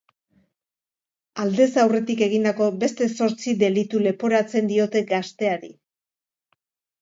Aldez aurretik egindako beste zortzi delitu leporatzen diote gazteari.